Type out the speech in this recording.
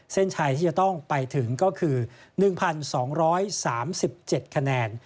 เส้นชัยที่จะต้องไปถึงก็คือ๑๒๓๗คะแนน